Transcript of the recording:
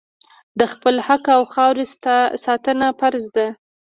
د خپل حق او خاورې ساتنه فرض ده.